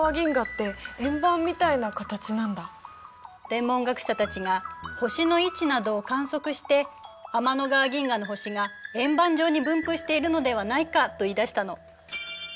天文学者たちが星の位置などを観測して天の川銀河の星が円盤状に分布しているのではないかと言いだしたの。